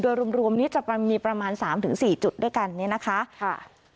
โดยรวมนี้จะมีประมาณสามถึงสี่จุดด้วยกันนี้นะคะค่ะ